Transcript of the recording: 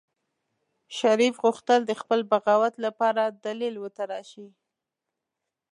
شريف غوښتل د خپل بغاوت لپاره دليل وتراشي.